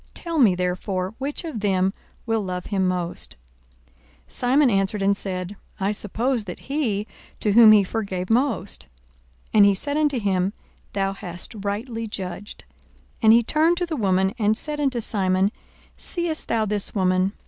Tell me therefore, which of them will love him most? 42:007:043 Simon answered and said, I suppose that he, to whom he forgave most. And he said unto him, Thou hast rightly judged. 42:007:044 And he turned to the woman, and said unto Simon, Seest thou this woman?